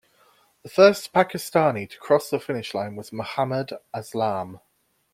The first Pakistani to cross the finish line was Mohammad Aslam.